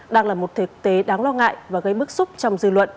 đang là một thực tế đáng lo ngại và gây bức xúc trong dư luận